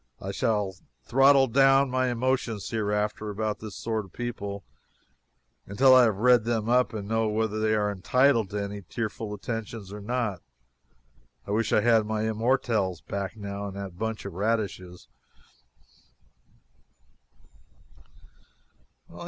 I shall throttle down my emotions hereafter, about this sort of people, until I have read them up and know whether they are entitled to any tearful attentions or not. I wish I had my immortelles back, now, and that bunch of radishes.